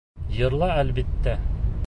Йырла, әлбиттә!